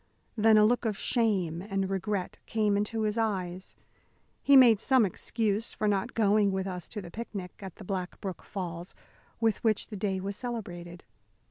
Then a look of shame and regret came into his eyes. He made some excuse for not going with us to the picnic, at the Black Brook Falls, with which the day was celebrated.